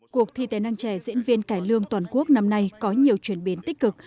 cuộc thi tài năng trẻ diễn viên cải lương toàn quốc năm nay có nhiều chuyển biến tích cực